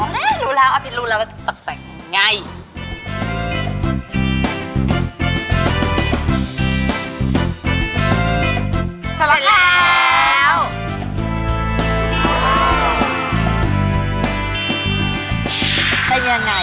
นี่รู้แล้วอภิษรู้แล้วว่าจะตกแต่งยังไง